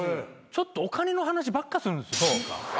ちょっとお金の話ばっかするんです。